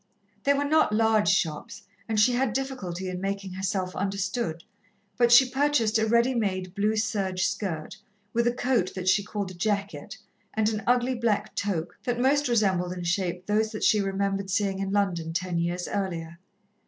They were not large shops, and she had difficulty in making herself understood, but she purchased a ready made blue serge skirt, with a coat that she called a jacket, and an ugly black toque, that most resembled in shape those that she remembered seeing in London ten years earlier.